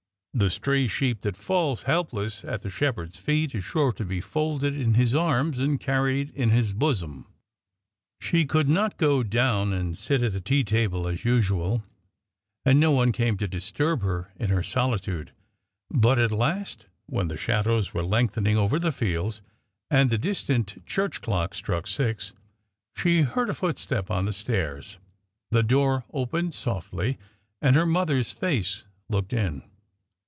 The stray sheep that falls helpless at the Shepherd's feet is sure to be folded in His arms and carried in His bosom. She could not go down and sit at the tea table as usual, and no one came to disturb her in her solitude. But at last, when the shadows were lengthening over the fields, and the distant church clock struck six, she heard a footstep on the stairs. The door opened softly, and her mother's face looked in.